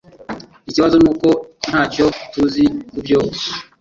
Ikibazo nuko ntacyo tuzi kubyo